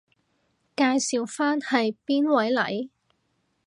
介紹返係邊位嚟？